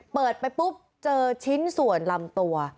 เปิดไปปุ๊บเจอชิ้นส่วนลำตัว